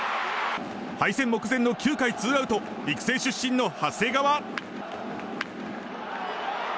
敗戦目前の９回ツーアウト育成出身の長谷川。